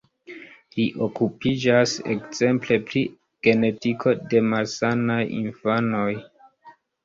Li okupiĝas ekzemple pri genetiko de malsanaj infanoj.